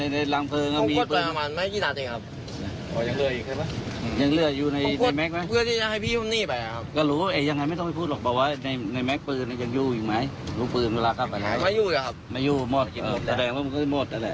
ไม่เคยอ่ะแล้วทำไมถึงต้องลงคุณสองคน